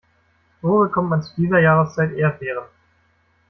Wo bekommt man zu dieser Jahreszeit Erdbeeren?